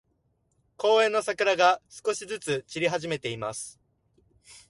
公園の桜が、少しずつ散り始めています。